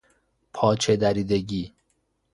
پاچه دریدگی